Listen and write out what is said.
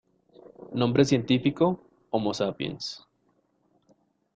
Nombre científico: Homo sapiens.